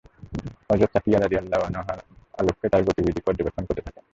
হযরত সাফিয়্যাহ রাযিয়াল্লাহু আনহা অলক্ষ্যে তার গতিবিধি পর্যবেক্ষণ করতে থাকেন।